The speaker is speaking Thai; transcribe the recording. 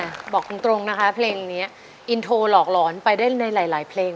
แหม่บอกครึ่งตรงนะคะเพลงเนี้ยลอกหลอนไปได้ในหลายหลายเพลง